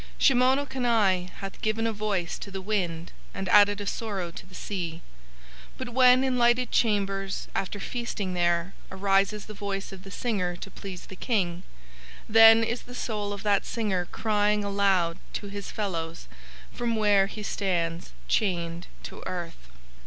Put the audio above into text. Shimono Kani hath given a voice to the wind and added a sorrow to the sea. But when in lighted chambers after feasting there arises the voice of the singer to please the King, then is the soul of that singer crying aloud to his fellows from where he stands chained to earth.